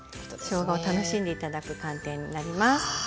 しょうがを楽しんで頂く寒天になります。